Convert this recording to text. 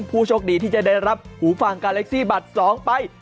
ผู้โชคดีที่จะได้รับหูฟังกาเล็กซี่บัตร๒ไป